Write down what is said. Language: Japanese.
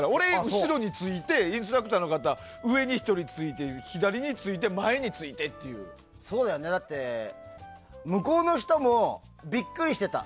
後ろについてインストラクターの方上に１人ついて左についてそうだよね、だって向こうの人もビックリしてた。